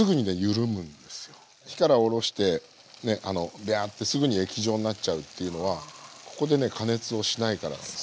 火からおろしてねビャーッてすぐに液状になっちゃうっていうのはここでね加熱をしないからなんです。